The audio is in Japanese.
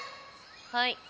はい。